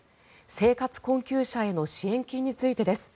生活困窮者への支援金についてです。